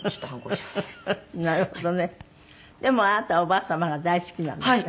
でもあなたおばあ様が大好きなんですって？